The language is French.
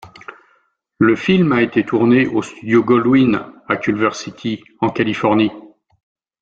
La film a été tourné aux studios Goldwyn à Culver City, en Californie.